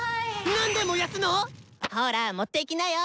何で燃やすの⁉ほら持っていきなよ！